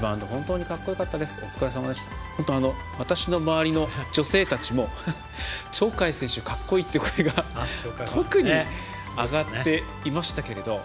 私の周りの女性たちも鳥海選手かっこいいという声が特に上がっていましたけど。